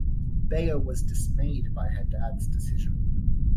Bea was dismayed by her dad’s decision.